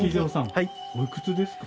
おいくつですか？